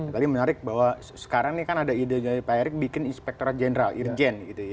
tapi menarik bahwa sekarang ini kan ada ide dari pak erick bikin inspektorat jenderal irjen